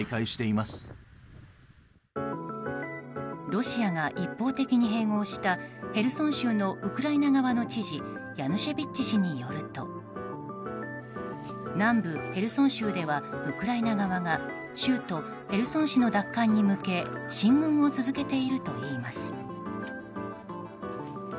ロシアが一方的に併合したヘルソン州のウクライナ側の知事ヤヌシェビッチ氏によると南部ヘルソン州ではウクライナ側が州都ヘルソン市の奪還に向け進軍を続けているといいます。